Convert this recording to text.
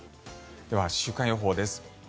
では週間予報です。